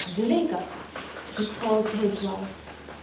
Zuleika!'* he called to his wife.